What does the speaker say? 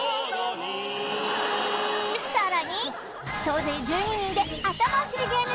更に総勢１２人であたまおしりゲーム